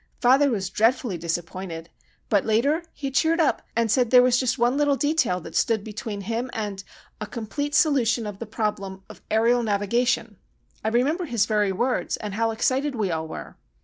Father was dreadfully disappointed. But later he cheered up and said there was just one little detail that stood between him and 'a complete solution of the problem of aërial navigation.' I remember his very words, and how excited we all were."